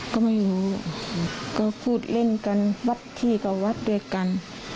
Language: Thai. ก็ไม่รู้ก็พูดเล่นกันวัดที่กับวัดด้วยกัน